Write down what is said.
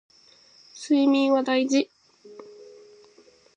睡眠は大事